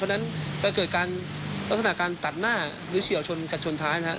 ถ้าเกิดการทัดหน้าหรือเฉี่ยวชนกับชนท้าย